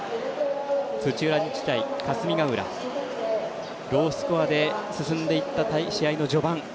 土浦日大、霞ヶ浦ロースコアで進んでいった試合の序盤